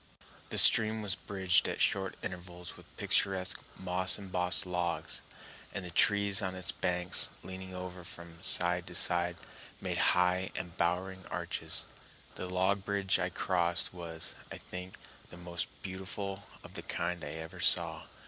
The stream was bridged at short intervals with picturesque, moss embossed logs, and the trees on its banks, leaning over from side to side, made high embowering arches. The log bridge I crossed was, I think, the most beautiful of the kind I ever saw.